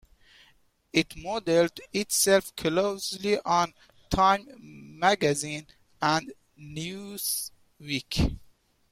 It modelled itself closely on "Time Magazine" and "Newsweek".